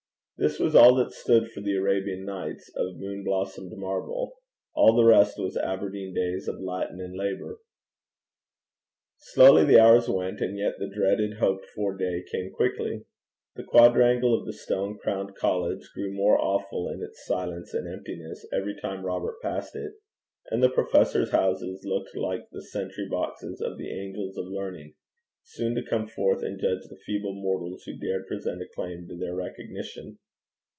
This was all that stood for the Arabian Nights of moon blossomed marvel; all the rest was Aberdeen days of Latin and labour. Slowly the hours went, and yet the dreaded, hoped for day came quickly. The quadrangle of the stone crowned college grew more awful in its silence and emptiness every time Robert passed it; and the professors' houses looked like the sentry boxes of the angels of learning, soon to come forth and judge the feeble mortals who dared present a claim to their recognition.